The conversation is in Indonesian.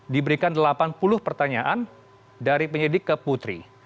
diberikan delapan puluh pertanyaan dari penyidik ke putri